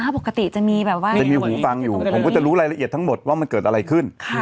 ปกติจะมีแบบว่าจะมีหูฟังอยู่ผมก็จะรู้รายละเอียดทั้งหมดว่ามันเกิดอะไรขึ้น